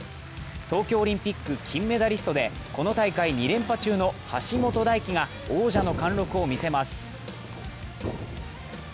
東京オリンピック金メダリストでこの大会２連覇中の橋本大輝が王者の貫禄を見せます。